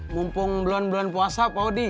mumpung bulan bulan puasa